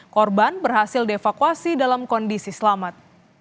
korban berhasil dievakuasi dalam kondisi selamat